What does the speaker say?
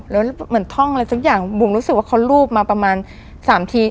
แล้วเหมือนท่องอะไรสักอย่างบุ๋มรู้สึกว่าเขารูปมาประมาณ๓ที